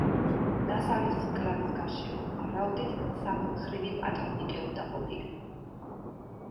დასავლეთის მკლავის გარშემო, ვარაუდით, სამმხრივი პატრონიკე უნდა ყოფილიყო.